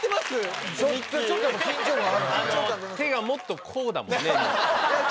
手がもっとこうだもんねミッキー。